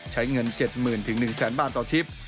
ใช้เงิน๗๐๐๐๐๑๐๐๐๐๐บาทต่อทิพย์